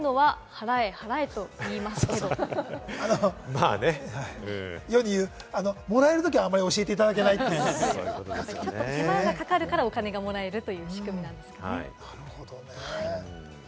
まあね、世に言う、もらえるときはあまり教えていただけないみたいなね。手間がかかるからお金がもらえるという仕組みなんですかね。